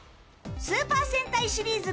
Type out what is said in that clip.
スーパー戦隊シリーズ